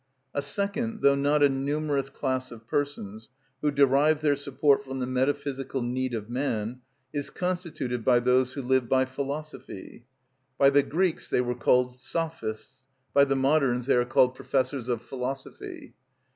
A second, though not a numerous class of persons, who derive their support from the metaphysical need of man, is constituted by those who live by philosophy. By the Greeks they were called Sophists, by the moderns they are called Professors of Philosophy.